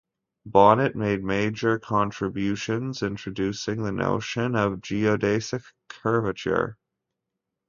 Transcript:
Bonnet made major contributions introducing the notion of geodesic curvature.